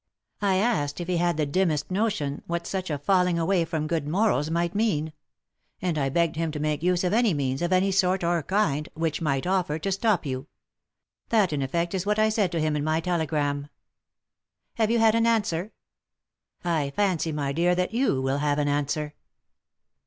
I asked if he had the dim mest notion what such a falling away from good morals might mean. And I begged him to make use of any means, of any sort or kind, which might offer, to stop you. That, in effect, is what I said to him in my telegram." " Have you had an answer ?"" I fancy, my dear, that you will have an answer."